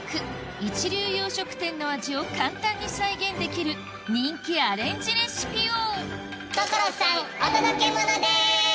一流洋食店の味を簡単に再現できる人気アレンジレシピを所さんお届けモノです！